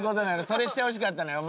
それしてほしかったのよ。